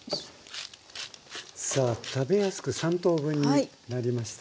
さあ食べやすく３等分になりました。